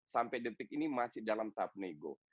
sampai detik ini masih dalam tahap nego